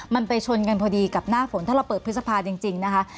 มันไปชนกันพอดีกับหน้าฝนถ้าเราเปิดพฤษภาจริงนะคะ